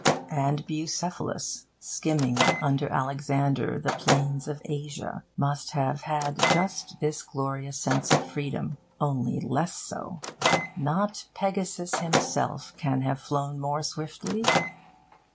And Bucephalus, skimming under Alexander the plains of Asia, must have had just this glorious sense of freedom. Only less so! Not Pegasus himself can have flown more swiftly.